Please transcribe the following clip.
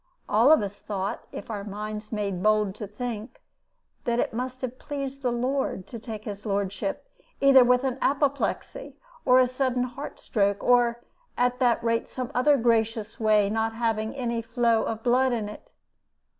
All of us thought, if our minds made bold to think, that it must have pleased the Lord to take his lordship either with an appleplexy or a sudden heart stroke, or, at any rate, some other gracious way not having any flow of blood in it.